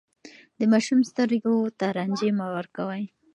د ماشوم سترګو ته رنجې مه ورکوئ.